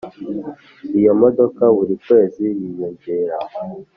Iyo modoka buri kwezi yiyongera